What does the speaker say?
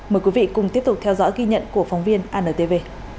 mời quý vị cùng tiếp tục theo dõi ghi nhận của phóng viên antv